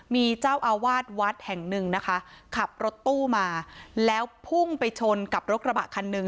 มีเจ้าอาวาสวัดแห่งหนึ่งนะคะขับรถตู้มาแล้วพุ่งไปชนกับรถกระบะคันหนึ่ง